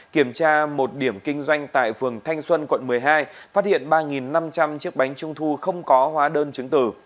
kiểm tra một điểm kinh doanh tại phường thanh xuân quận một mươi hai phát hiện ba năm trăm linh chiếc bánh trung thu không có hóa đơn chứng tử